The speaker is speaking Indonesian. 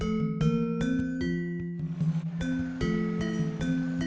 dimengerti oleh k intentional rencananya